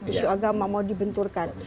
isu agama mau dibenturkan